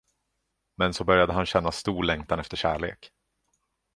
Men så började han känna stor längtan efter kärlek.